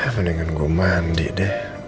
mendingan gue mandi deh